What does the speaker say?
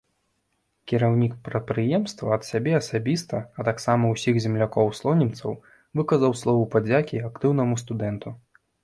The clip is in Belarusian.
Кіраўнік прадпрыемства ад сябе асабіста, а таксама ўсіх землякоў-слонімцаў выказаў словы падзякі актыўнаму студэнту.